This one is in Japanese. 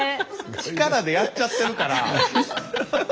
力でやっちゃってるから。